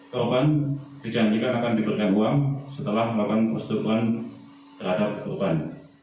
korban dijanjikan akan diberikan uang setelah melakukan persetubuhan terhadap korban